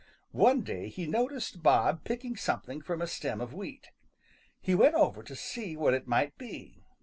One day he noticed Bob picking something from a stem of wheat. He went over to see what it might be.